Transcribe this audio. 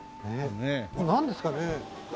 なんですかね？